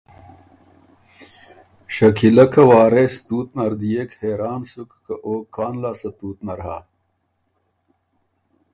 شکیلۀ که وارث تُوت نر دئېک حېران سُک که او کان لاسته تُوت نر هۀ۔